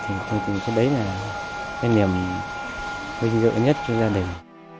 thì tôi tưởng cho đấy là cái niềm vinh dự nhất cho gia đình